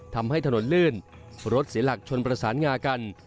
ทำให้ถนนลื่นรถเสียหลักชนประสานงากัน